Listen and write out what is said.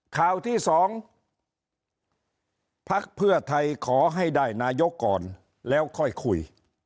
ข่าวที่๒พักเพื่อไทยขอให้ได้นายกก่อนแล้วค่อยคุย